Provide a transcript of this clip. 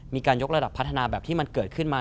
มีการยกระดับพัฒนาแบบที่มันเกิดขึ้นมา